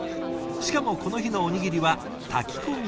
しかもこの日のおにぎりは炊き込みごはん。